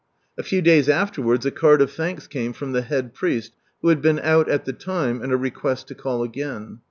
A few days afterwards a card of thanks came from the head priest, who had been out at the time, and a request to call again.